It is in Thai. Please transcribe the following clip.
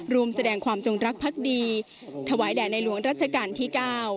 รวมแสดงความจงรักภักดีถวายแด่ในหลวงรัชกาลที่๙